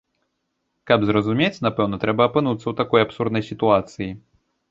Каб зразумець, напэўна, трэба апынуцца ў такой абсурднай сітуацыі.